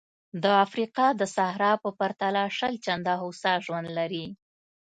د افریقا د صحرا په پرتله شل چنده هوسا ژوند لري.